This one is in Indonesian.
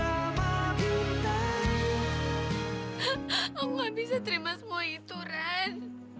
aku ga bisa terima semua itu res